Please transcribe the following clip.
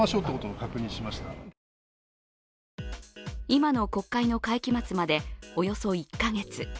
今の国会の会期末までおよそ１か月。